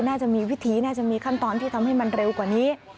น่าจะมีวิธีน่าจะมีขั้นตอนที่ทำให้มันเร็วกว่านี้